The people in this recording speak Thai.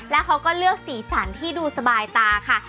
แล้วเขาก็เลือกสีสันที่ดูสบายตาค่ะ